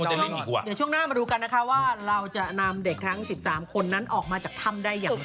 เดี๋ยวช่วงหน้ามาดูกันนะคะว่าเราจะนำเด็กทั้ง๑๓คนนั้นออกมาจากถ้ำได้อย่างไร